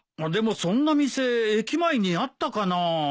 でもそんな店駅前にあったかな？